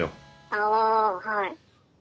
ああはい。